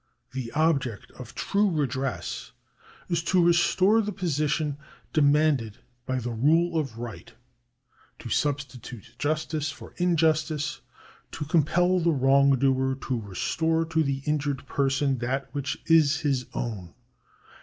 The object of true redress is to restore the position demanded by the rule of right, to substi tute justice for injustice, to compel the wrongdoer to restore to the injured person that which is his own.